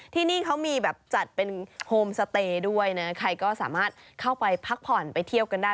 ที่นี่เขามีแบบจัดเป็นโฮมสเตย์ด้วยนะใครก็สามารถเข้าไปพักผ่อนไปเที่ยวกันได้